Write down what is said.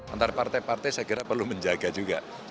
antar partai partai saya kira perlu menjaga juga